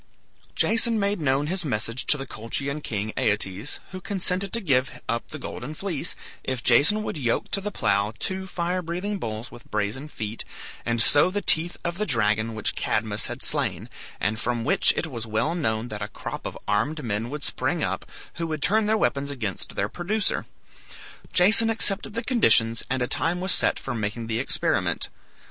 Jason made known his message to the Colchian king, Aeetes, who consented to give up the golden fleece if Jason would yoke to the plough two fire breathing bulls with brazen feet, and sow the teeth of the dragon which Cadmus had slain, and from which it was well known that a crop of armed men would spring up, who would turn their weapons against their producer. Jason accepted the conditions, and a time was set for making the experiment.